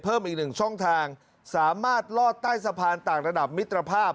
เพิ่มอีกหนึ่งช่องทางสามารถลอดใต้สะพานต่างระดับมิตรภาพ